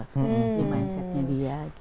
di mindsetnya dia